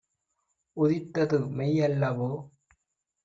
உதித்தது மெய்அல்லவோ?